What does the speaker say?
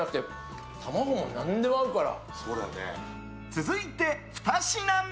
続いて２品目。